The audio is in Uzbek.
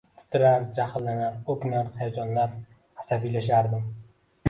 Titrar, jahllanar, o`kinar, hayajonlanar, asabiylashardim